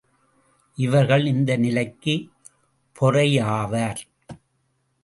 இவர்கள் இந்த நிலக்குப் பொறையாவர்.